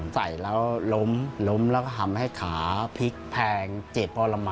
ใส่แล้วล้มล้มแล้วก็ทำให้ขาพลิกแพงเจ็บปรมา